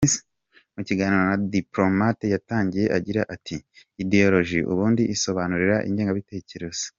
Mu kiganiro na Diploamate yatangiye agira ati “ Ideoloji ubundi bisobanura ingengabitekerezo.